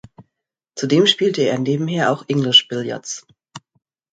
Zudem spielte er nebenher auch English Billiards.